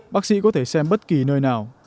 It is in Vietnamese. bác sĩ có thể xem bất kỳ nơi nào